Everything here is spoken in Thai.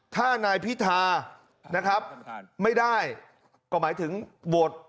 ถ้านายพิธานะครับไม่ได้ก็หมายถึงโหวต